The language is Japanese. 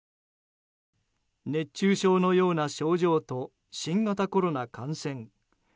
熱中症のような症状と新型コロナ感染。